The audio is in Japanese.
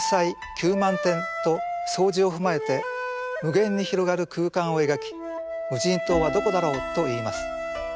「九万天」と「荘子」を踏まえて無限に広がる空間を描き無人島はどこだろうと言います。